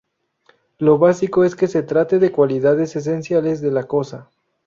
Lo básico es que se trate de cualidades esenciales de la cosa.